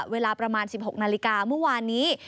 เวลาประมาณ๑๖นาฬิกาเมื่อวานนี้